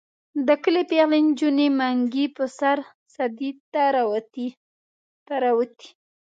د کلي پېغلې نجونې منګي په سر سدې ته راوتې.